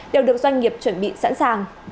đều được doanh nghiệp chuẩn bị sẵn sàng